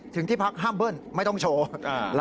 ที่พักห้ามเบิ้ลไม่ต้องโชว์